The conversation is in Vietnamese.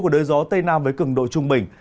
của đới gió tây nam với cường độ trung bình